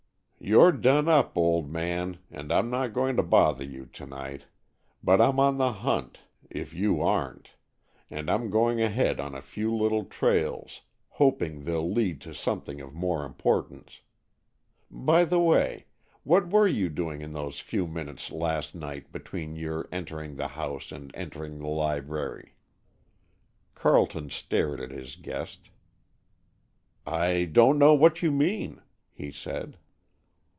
"You're done up, old man, and I'm not going to bother you to night. But I'm on the hunt, if you aren't, and I'm going ahead on a few little trails, hoping they'll lead to something of more importance. By the way, what were you doing in those few minutes last night between your entering the house and entering the library?" Carleton stared at his guest. "I don't know what you mean," he said.